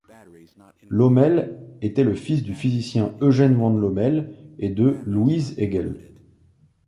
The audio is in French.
Lommel était le fils du physicien Eugen von Lommel et de Luise Hegel.